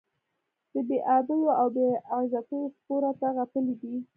د بې آبیو او بې عزتیو سپو راته غپلي دي.